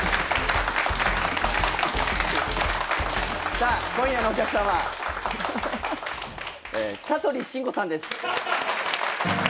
さあ今夜のお客さまはフフフ香取慎吾さんです。